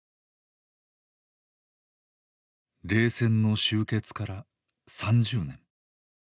冷戦の終結から３０年。